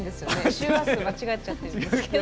周波数間違えちゃってるんですけど。